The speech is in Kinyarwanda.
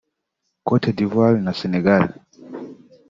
Côte d’Ivoire na Senegal